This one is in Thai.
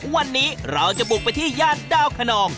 วันนี้เราจะบุกไปที่ย่านดาวขนอง